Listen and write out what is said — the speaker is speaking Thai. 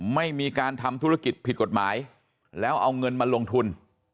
ไม่มีการทำธุรกิจผิดกฎหมายแล้วเอาเงินมาลงทุน